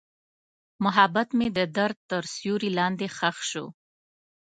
محبت مې د درد تر سیوري لاندې ښخ شو.